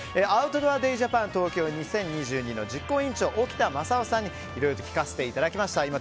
アウトドアデイジャパン東京２０２２の実行委員長、沖田雅生さんにいろいろ聞かせていただきました。